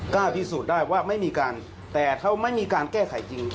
พิสูจน์ได้ว่าไม่มีการแต่ถ้าไม่มีการแก้ไขจริง